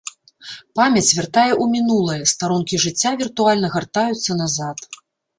Памяць вяртае ў мінулае, старонкі жыцця віртуальна гартаюцца назад.